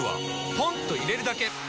ポンと入れるだけ！